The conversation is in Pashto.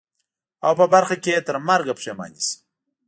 او په برخه یې ترمرګه پښېماني سي.